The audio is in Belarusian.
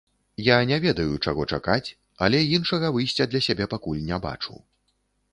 Я не ведаю, чаго чакаць, але іншага выйсця для сябе пакуль не бачу.